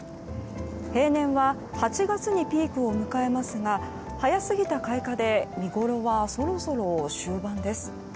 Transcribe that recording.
平年は８月にピークを迎えますが早すぎた開花で見ごろはそろそろ終盤です。